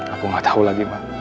aku gak tau lagi mak